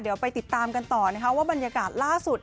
เดี๋ยวไปติดตามกันต่อนะคะว่าบรรยากาศล่าสุด